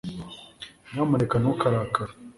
nyamuneka ntukarakare